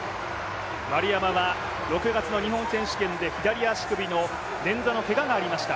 丸山は６月の日本選手権で左足首の捻挫のけががありました。